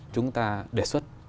chúng ta đề xuất